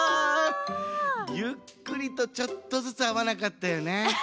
ゆっくりとちょっとずつあわなかったよね。